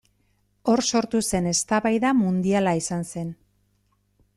Hor sortu zen eztabaida mundiala izan zen.